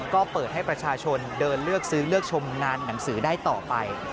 ก็เปิดให้ประชาชนเดินเลือกซื้อเลือกชมงานหนังสือได้ต่อไป